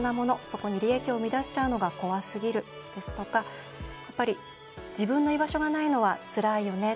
そこに利益を生み出しちゃうのが怖すぎる」ですとか「自分の居場所がないのはつらいよね」。